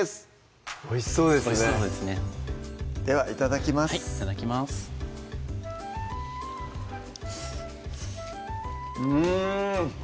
おいしそうですねおいしそうですねではいただきますいただきますうん！